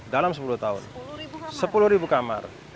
dalam sepuluh tahun sepuluh ribu kamar